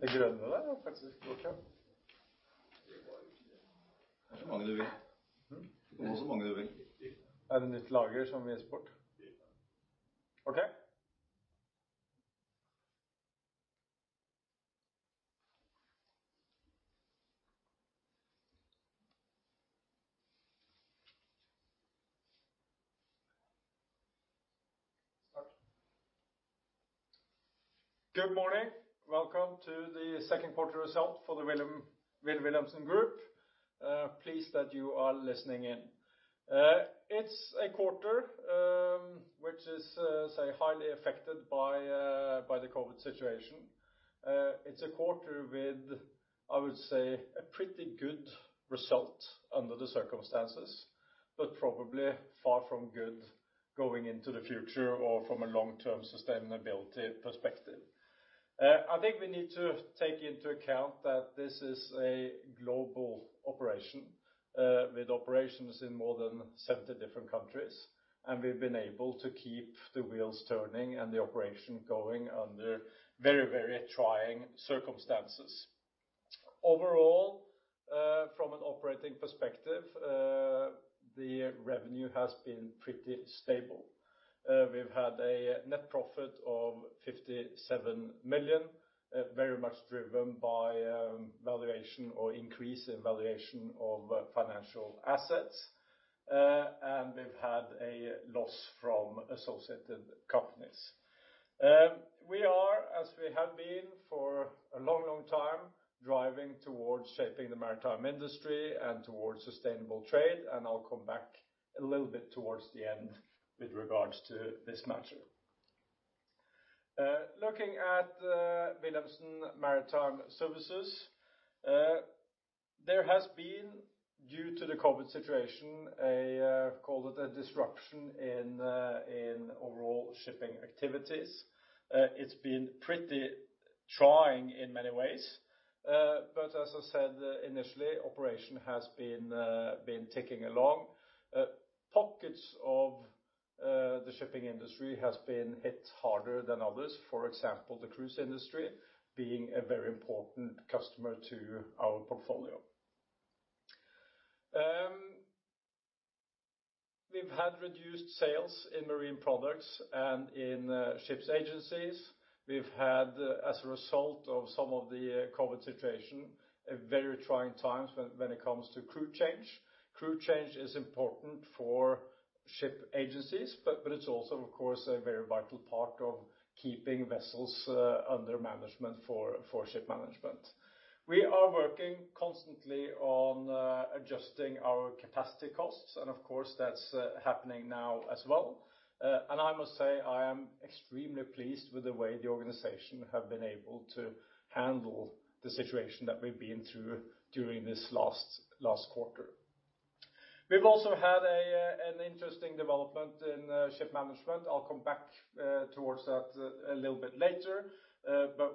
Good morning. Welcome to the second quarter result for the Wilhelmsen Group. Pleased that you are listening in. It is a quarter which is highly affected by the COVID situation. It is a quarter with, I would say, a pretty good result under the circumstances, but probably far from good going into the future or from a long-term sustainability perspective. I think we need to take into account that this is a global operation with operations in more than 70 different countries, and we have been able to keep the wheels turning and the operation going under very trying circumstances. Overall, from an operating perspective, the revenue has been pretty stable. We have had a net profit of 57 million, very much driven by valuation or increase in valuation of financial assets. We have had a loss from associated companies. We are, as we have been for a long time, driving towards shaping the maritime industry and towards sustainable trade, and I will come back a little bit towards the end with regards to this matter. Looking at Wilhelmsen Maritime Services. There has been, due to the COVID situation, call it a disruption in overall shipping activities. It has been pretty trying in many ways. As I said initially, operation has been ticking along. Pockets of the shipping industry has been hit harder than others, for example, the cruise industry being a very important customer to our portfolio. We have had reduced sales in marine products and in ships agencies. We have had, as a result of some of the COVID situation, very trying times when it comes to crew change. Crew change is important for ship agencies, but it is also, of course, a very vital part of keeping vessels under management for ship management. We are working constantly on adjusting our capacity costs and, of course, that is happening now as well. I must say, I am extremely pleased with the way the organization have been able to handle the situation that we have been through during this last quarter. We have also had an interesting development in ship management. I will come back towards that a little bit later.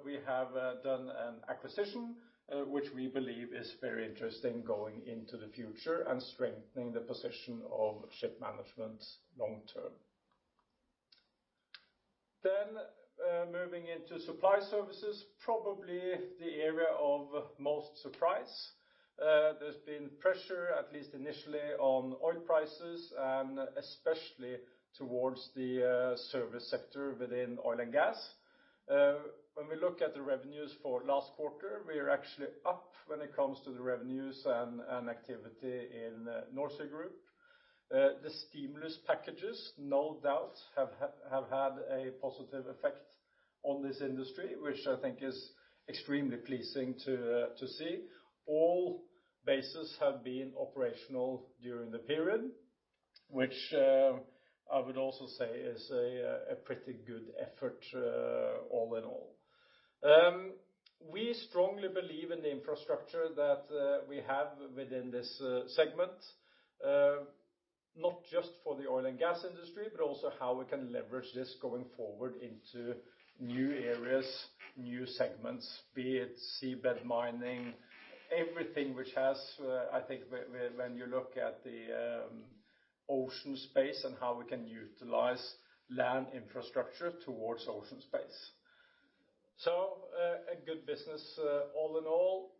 We have done an acquisition which we believe is very interesting going into the future and strengthening the position of ship management long term. Moving into supply services, probably the area of most surprise. There has been pressure, at least initially, on oil prices and especially towards the service sector within oil and gas. When we look at the revenues for last quarter, we are actually up when it comes to the revenues and activity in NorSea Group. The stimulus packages no doubt have had a positive effect on this industry, which I think is extremely pleasing to see. All bases have been operational during the period, which I would also say is a pretty good effort all in all. We strongly believe in the infrastructure that we have within this segment, not just for the oil and gas industry, but also how we can leverage this going forward into new areas, new segments, be it seabed mining, everything which has, I think when you look at the ocean space and how we can utilize land infrastructure towards ocean space. A good business all in all.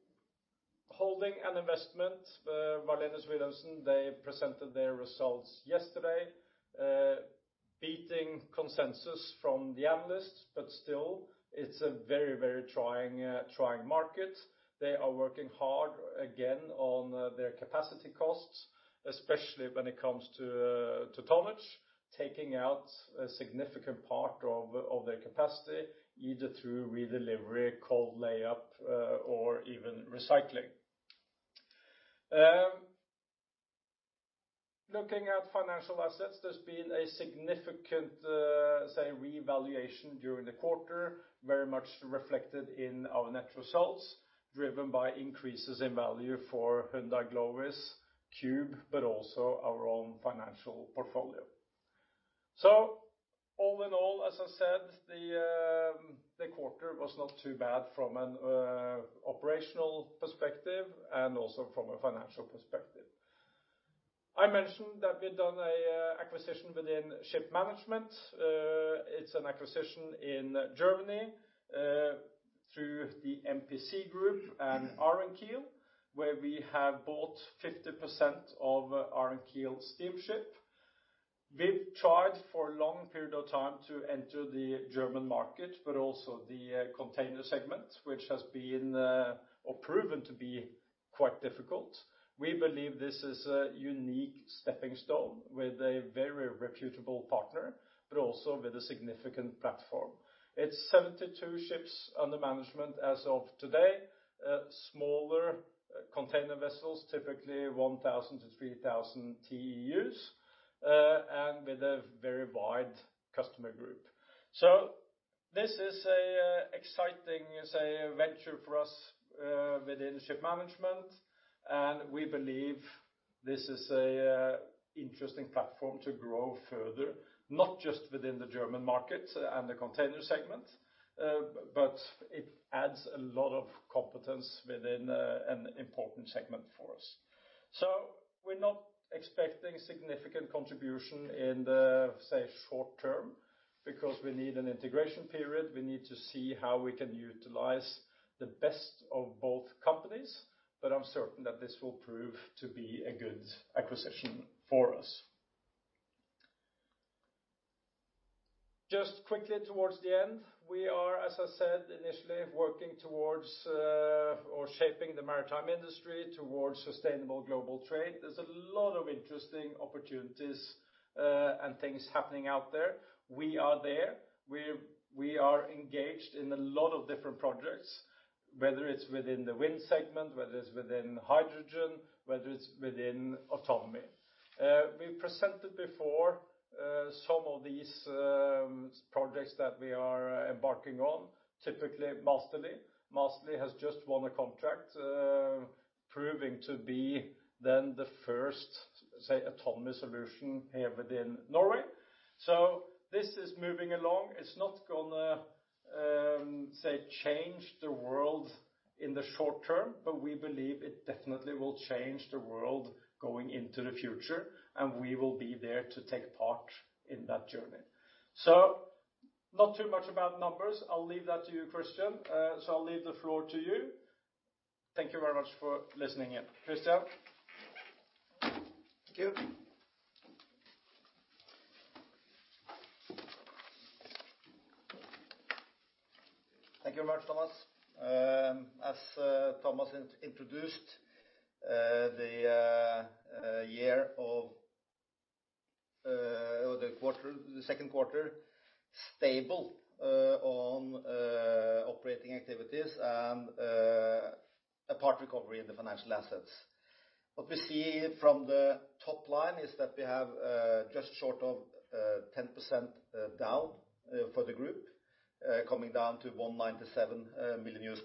Holding an investment. Wallenius Wilhelmsen, they presented their results yesterday, beating consensus from the analysts, still it is a very trying market. They are working hard again on their capacity costs, especially when it comes to tonnage, taking out a significant part of their capacity, either through redelivery, cold layup, or even recycling. Looking at financial assets, there has been a significant, say revaluation during the quarter, very much reflected in our net results, driven by increases in value for Hyundai Glovis, Qube, but also our own financial portfolio. All in all, as I said, the quarter was not too bad from an operational perspective and also from a financial perspective. I mentioned that we've done a acquisition within ship management. It's an acquisition in Germany through the MPC Group and Ahrenkiel, where we have bought 50% of Ahrenkiel Steamship. We've tried for a long period of time to enter the German market, but also the container segment, which has been proven to be quite difficult. We believe this is a unique stepping stone with a very reputable partner, but also with a significant platform. It's 72 ships under management as of today. Smaller container vessels, typically 1,000 to 3,000 TEUs, with a very wide customer group. This is a exciting venture for us within ship management. We believe this is a interesting platform to grow further, not just within the German market and the container segment, but it adds a lot of competence within an important segment for us. We're not expecting significant contribution in the short term because we need an integration period. We need to see how we can utilize the best of both companies. I'm certain that this will prove to be a good acquisition for us. Just quickly towards the end, we are, as I said initially, working towards or shaping the maritime industry towards sustainable global trade. There's a lot of interesting opportunities and things happening out there. We are there. We are engaged in a lot of different projects, whether it's within the wind segment, whether it's within hydrogen, whether it's within autonomy. We presented before some of these projects that we are embarking on. Typically, Massterly. Massterly has just won a contract proving to be then the first autonomy solution here within Norway. This is moving along. It's not going to change the world in the short term, but we believe it definitely will change the world going into the future, and we will be there to take part in that journey. Not too much about numbers. I'll leave that to you, Christian. I'll leave the floor to you. Thank you very much for listening in. Christian? Thank you. Thank you very much, Thomas. As Thomas introduced, the second quarter stable on operating activities and a part recovery in the financial assets. What we see from the top line is that we have just short of 10% down for the group, coming down to $197 million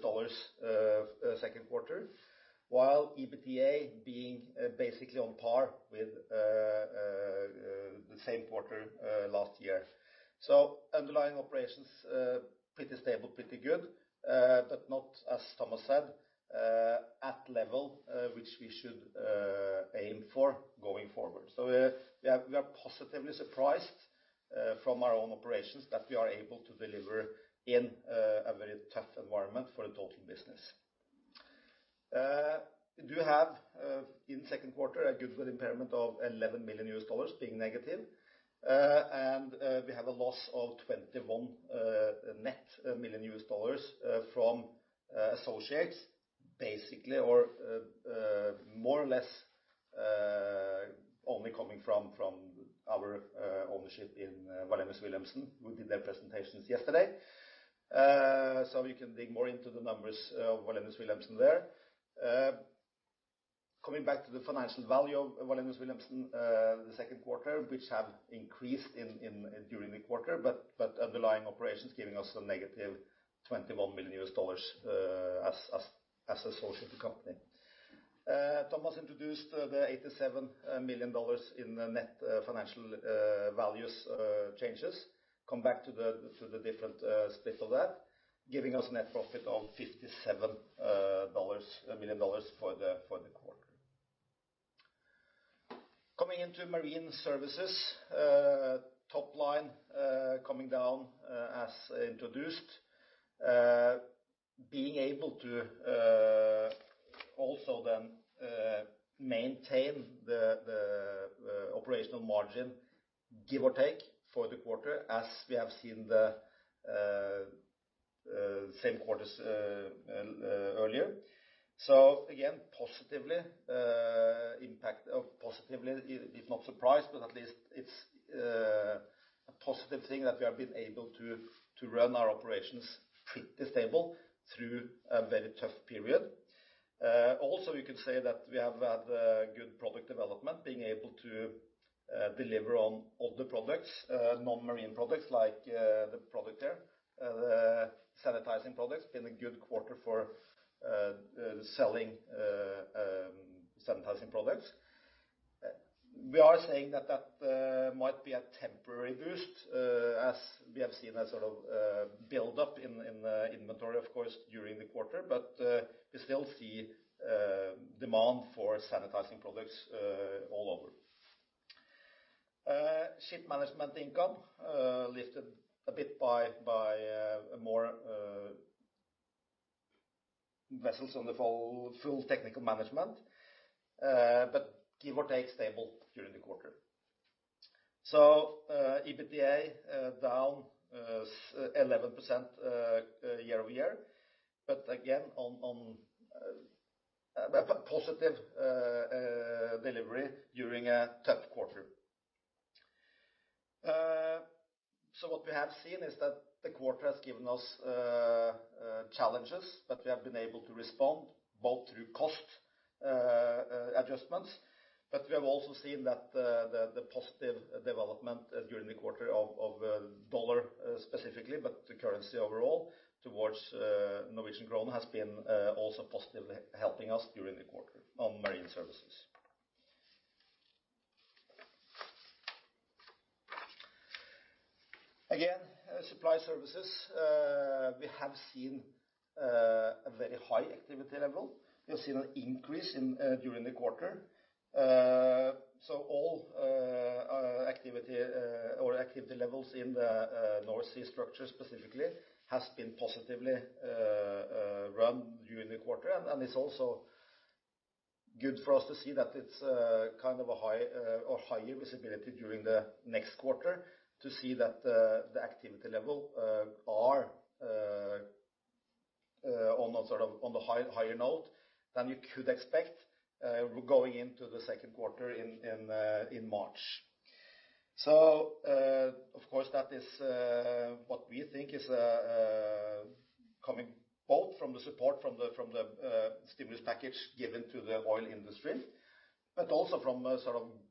second quarter, while EBITDA being basically on par with the same quarter last year. Underlying operations pretty stable, pretty good. Not, as Thomas said, at level which we should aim for going forward. We are positively surprised from our own operations that we are able to deliver in a very tough environment for the total business. We do have in second quarter a goodwill impairment of $11 million being negative. We have a loss of 21 net million from associates basically, or more or less only coming from our ownership in Wallenius Wilhelmsen who did their presentations yesterday. You can dig more into the numbers of Wallenius Wilhelmsen there. Coming back to the financial value of Wallenius Wilhelmsen the second quarter, which have increased during the quarter, but underlying operations giving us a negative 21 million US dollars as associated company. Thomas introduced the 87 million dollars in net financial values changes. Come back to the different splits of that, giving us net profit of 57 million dollars for the quarter. Coming into marine services. Top line coming down as introduced. Being able to also then maintain the operational margin, give or take for the quarter as we have seen the same quarters earlier. Again, positively impact or positively is not surprised, but at least it is a positive thing that we have been able to run our operations pretty stable through a very tough period. You could say that we have had good product development, being able to deliver on all the products. Non-marine products like the product there, the sanitizing products, it has been a good quarter for selling sanitizing products. We are saying that might be a temporary boost, as we have seen a sort of build up in inventory of course during the quarter. We still see demand for sanitizing products all over. Ship management income lifted a bit by more vessels on the full technical management. Give or take, it was stable during the quarter. EBITDA down 11% year-over-year again, on a positive delivery during a tough quarter. What we have seen is that the quarter has given us challenges, but we have been able to respond both through cost adjustments. We have also seen that the positive development during the quarter of dollar specifically, but the currency overall towards Norwegian krone has been also positively helping us during the quarter on marine services. Supply services, we have seen a very high activity level. We have seen an increase during the quarter. All our activity levels in the NorSea structure specifically has been positively run during the quarter and is also good for us to see that it's a higher visibility during the next quarter to see that the activity level are on the higher note than you could expect going into the second quarter in March. Of course, that is what we think is coming both from the support from the stimulus package given to the oil industry, but also from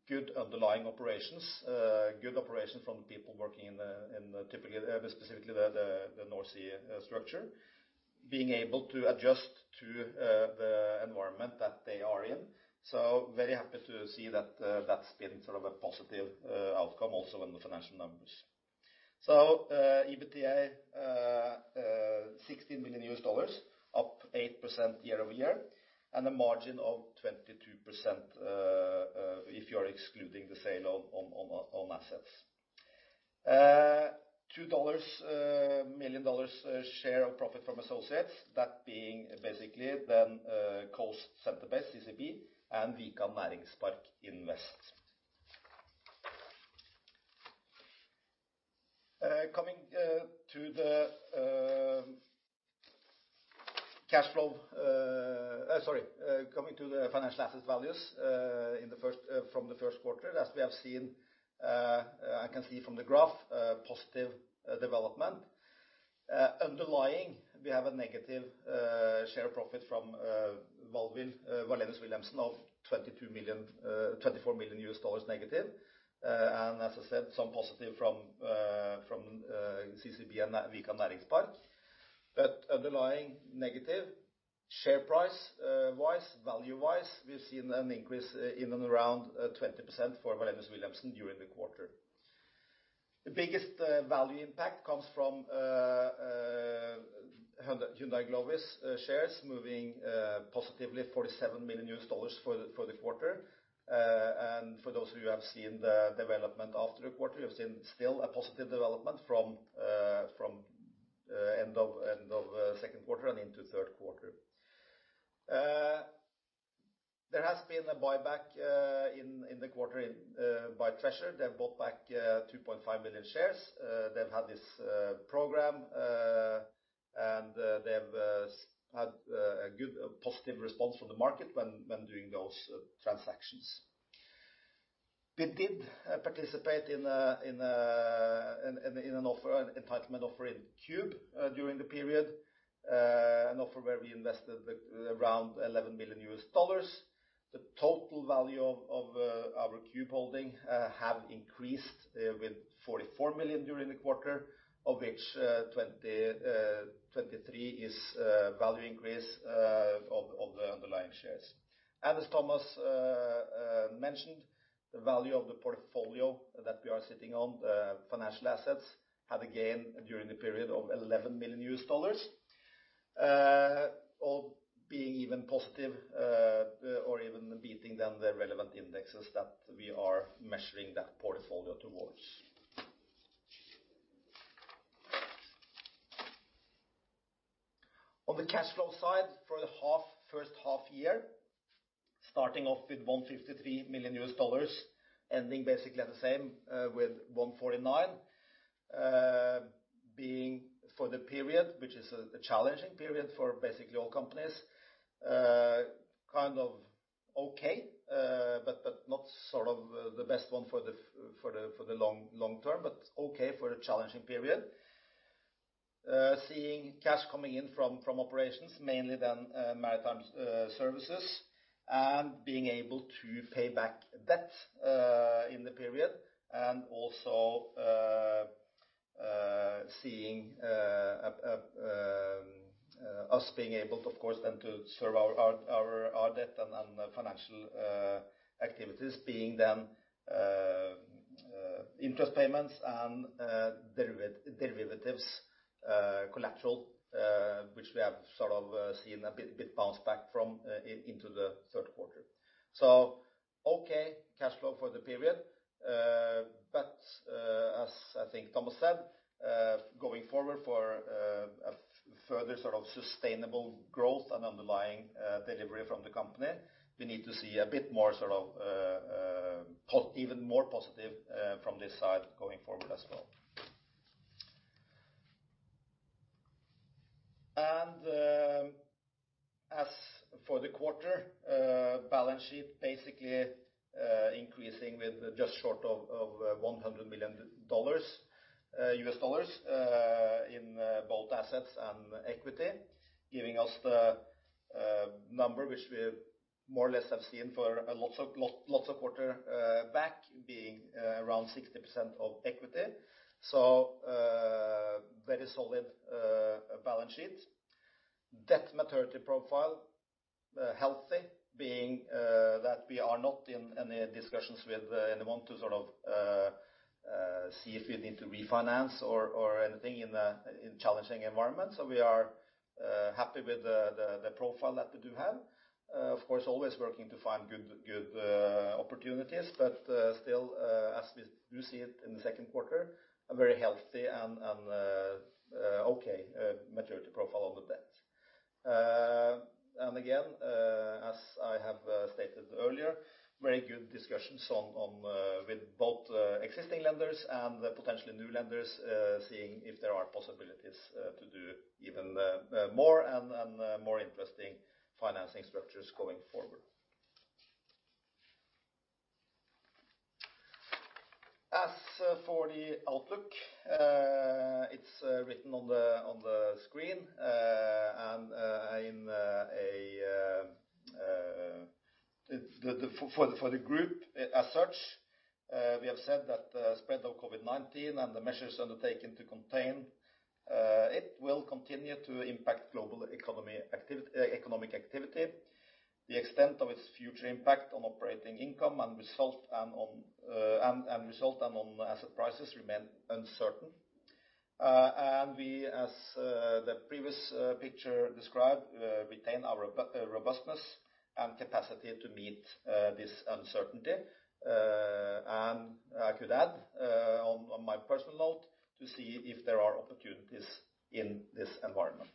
good underlying operations. Good operations from people working in specifically the North Sea structure, being able to adjust to the environment that they are in. Very happy to see that that has been a positive outcome also on the financial numbers. EBITDA $16 million, up 8% year-over-year, and a margin of 22% if you are excluding the sale of assets. $2 million share of profit from associates, that being basically then Coast Center Base, CCB, and Vikan Næringspark Invest. Coming to the financial asset values from the first quarter, as we have seen and can see from the graph, positive development. Underlying, we have a negative share profit from Wallenius Wilhelmsen of $24 million negative. As I said, some positive from CCB and Vikan Næringspark. Underlying negative share price-wise, value-wise, we've seen an increase in and around 20% for Wallenius Wilhelmsen during the quarter. The biggest value impact comes from Hyundai Glovis shares moving positively $47 million for the quarter. For those of you who have seen the development after the quarter, we have seen still a positive development from end of second quarter and into third quarter. There has been a buyback in the quarter by Treasure. They have bought back 2.5 million shares. They've had this program, and they have had a good, positive response from the market when doing those transactions. We did participate in an entitlement offer in Cube during the period, an offer where we invested around $11 million. The total value of our Treasure holding have increased with $44 million during the quarter, of which $23 is value increase of the underlying shares. As Thomas mentioned, the value of the portfolio that we are sitting on, financial assets had a gain during the period of $11 million. All being even positive or even beating the relevant indexes that we are measuring that portfolio towards. On the cash flow side, for the first half year, starting off with $153 million, ending basically at the same with $149, being for the period, which is a challenging period for basically all companies, kind of okay, but not the best one for the long term, but okay for a challenging period. Seeing cash coming in from operations, mainly then Wilhelmsen Maritime Services, and being able to pay back debt in the period and also seeing us being able, of course, then to serve our debt and financial activities being then interest payments and derivatives collateral, which we have sort of seen a bit bounce back from into the third quarter. Okay, cash flow for the period. As I think Thomas said, going forward for a further sort of sustainable growth and underlying delivery from the company, we need to see a bit more sort of even more positive from this side going forward as well. As for the quarter, balance sheet basically increasing with just short of $100 million in both assets and equity, giving us the number which we more or less have seen for lots of quarter back being around 60% of equity. Very solid balance sheet. Debt maturity profile, healthy being that we are not in any discussions with anyone to sort of see if we need to refinance or anything in challenging environment. We are happy with the profile that we do have. Of course, always working to find good opportunities, but still, as we do see it in the second quarter, a very healthy and okay maturity profile on the debt. Again, as I have stated earlier, very good discussions with both existing lenders and potentially new lenders, seeing if there are possibilities to do even more and more interesting financing structures going forward. As for the outlook, it is written on the screen. For the group as such, we have said that the spread of COVID-19 and the measures undertaken to contain it will continue to impact global economic activity. The extent of its future impact on operating income and result and on asset prices remain uncertain. We, as the previous picture described, retain our robustness and capacity to meet this uncertainty. I could add, on my personal note, to see if there are opportunities in this environment.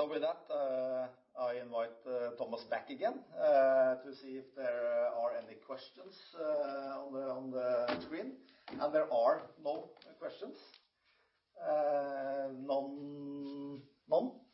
With that, I invite Thomas back again, to see if there are any questions on the screen. There are no questions. None? None. None.